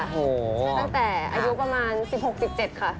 ตั้งแต่อายุประมาณ๑๖๑๗ค่ะ